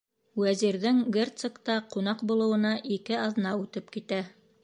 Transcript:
Вәзирҙең герцогта ҡунаҡ булыуына ике аҙна үтеп китә.